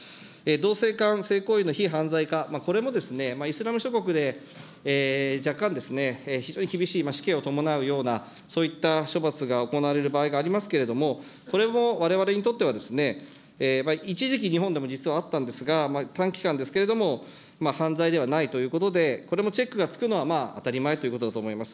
同性間性行為の非犯罪化、これもイスラム諸国で若干、非常に厳しい死刑を伴うようなそういった処罰が行われる場合がありますけれども、これもわれわれにとっては一時期、日本でも実はあったんですが、短期間ですけれども、犯罪ではないということで、これもチェックがつくのは当たり前ということだと思います。